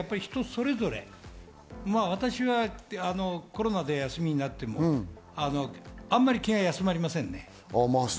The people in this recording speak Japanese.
私はコロナで休みになっても、あまり気が休まりませんね。